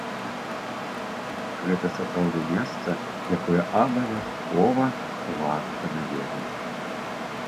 Гэта сапраўды месца, якое абавязкова варта наведаць.